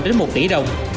đến một tỷ đồng